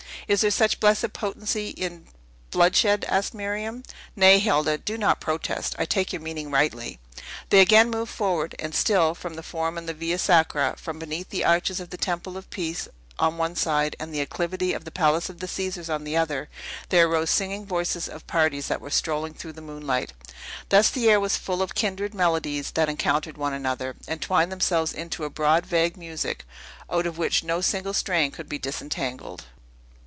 "Is there such blessed potency in bloodshed?" asked Miriam. "Nay, Hilda, do not protest! I take your meaning rightly." They again moved forward. And still, from the Forum and the Via Sacra, from beneath the arches of the Temple of Peace on one side, and the acclivity of the Palace of the Caesars on the other, there arose singing voices of parties that were strolling through the moonlight. Thus, the air was full of kindred melodies that encountered one another, and twined themselves into a broad, vague music, out of which no single strain could be disentangled.